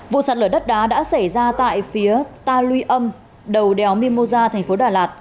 vụ sạt lở đất đá đã xảy ra tại phía ta luy âm đầu đèo mimosa thành phố đà lạt